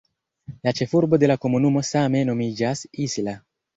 La ĉefurbo de la komunumo same nomiĝas "Isla".